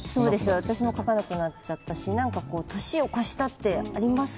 私も書かなくなっちゃったし、年を越したって何かあります？